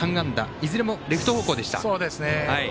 いずれもレフト方向でした。